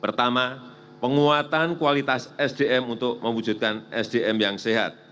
pertama penguatan kualitas sdm untuk mewujudkan sdm yang sehat